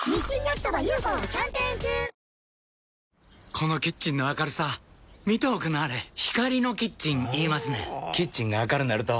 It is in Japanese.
このキッチンの明るさ見ておくんなはれ光のキッチン言いますねんほぉキッチンが明るなると・・・